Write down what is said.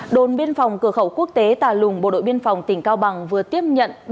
đồn biên phòng cửa khẩu quốc tế tà lùng bộ đội biên phòng tỉnh cao bằng vừa tiếp nhận